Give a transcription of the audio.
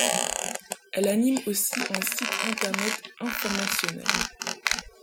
Elle anime aussi un site internet informationnel.